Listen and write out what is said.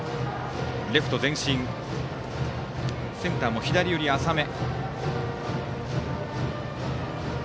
レフト前進センターも左寄り浅め。